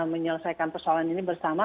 menyelesaikan persoalan ini bersama